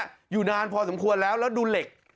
อยู่นานพอสมควรแล้วแล้วดูเหล็ก